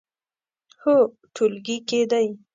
هو، ټولګي کې دی